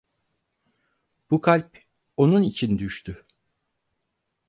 Bu kalp, onun için düştü!